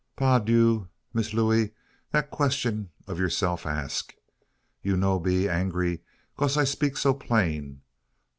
"Pa' dieu, Miss Looey, dat question ob youself ask. You no be angry case I 'peak so plain.